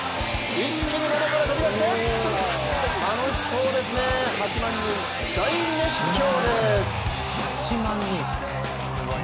一気に窓から飛び出して楽しそうですね、８万人、大熱狂です。